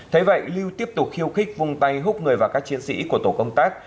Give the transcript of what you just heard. thế vậy lưu tiếp tục khiêu khích vùng tay hút người và các chiến sĩ của tổ công tác